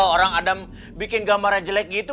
orang ada bikin gambarnya jelek gitu